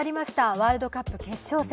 ワールドカップ決勝戦。